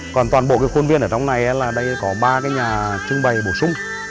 còn toàn bộ cái khuôn viên ở trong này là đây có ba cái nhà trưng bày bổ sung